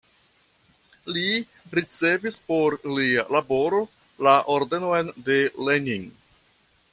Li ricevis por lia laboro la Ordenon de Lenin.